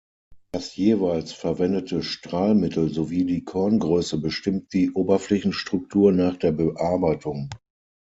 Das jeweils verwendete Strahlmittel sowie die Korngröße bestimmt die Oberflächenstruktur nach der Bearbeitung.